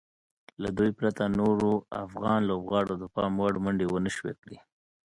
له دوی پرته نورو افغان لوبغاړو د پام وړ منډې ونشوای کړای.